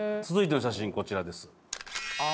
続いての写真こちらです。